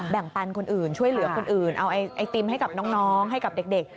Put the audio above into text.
ปันคนอื่นช่วยเหลือคนอื่นเอาไอติมให้กับน้องให้กับเด็ก